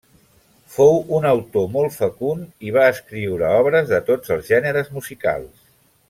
Fou un autor molt fecund i va escriure obres de tots els gèneres musicals.